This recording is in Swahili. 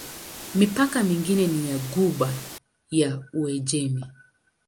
Mipaka mingine ni ya Ghuba ya Uajemi.